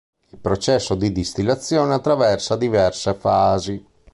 Il processo di distillazione attraversa diverse fasi.